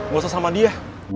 gak usah sama dia